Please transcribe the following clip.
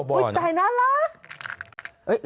อุ๊ยแต่น่ารัก